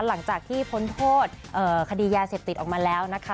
หลังจากที่พ้นโทษคดียาเสพติดออกมาแล้วนะคะ